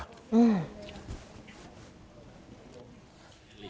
อืม